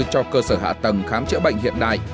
cho cơ sở hạ tầng khám chữa bệnh hiện đại